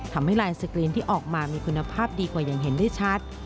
ลายสกรีนที่ออกมามีคุณภาพดีกว่าอย่างเห็นได้ชัด